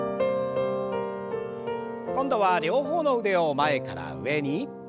今度は両方の腕を前から上に。